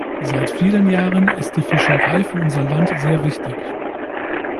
Seit vielen Jahren ist die Fischerei für unser Land sehr wichtig.